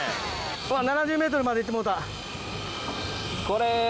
うわ７０ｍまで行ってもうた。